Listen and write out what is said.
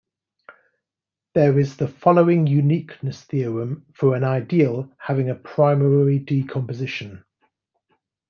There is the following uniqueness theorem for an ideal having a primary decomposition.